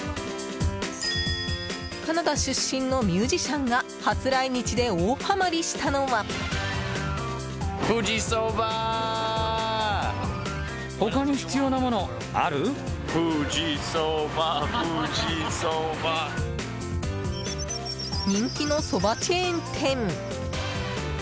カナダ出身のミュージシャンが初来日で大ハマりしたのは人気のそばチェーン店！